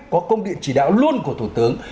có công điện chỉ đạo luôn của thủ tướng